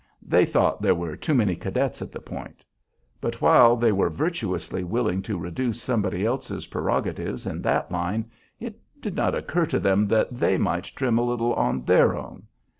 They thought there were too many cadets at the Point; but while they were virtuously willing to reduce somebody else's prerogatives in that line, it did not occur to them that they might trim a little on their own.